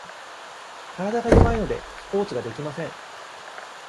体が弱いので、スポーツができません。